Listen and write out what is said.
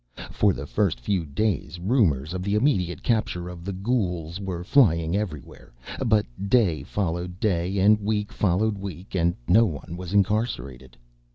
For the first few days rumors of the immediate capture of the "ghouls" were flying everywhere, but day followed day and week followed week, and no one was incarcerated.